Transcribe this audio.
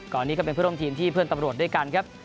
นี้ก็เป็นเพื่อนร่วมทีมที่เพื่อนตำรวจด้วยกันครับ